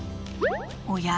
おや？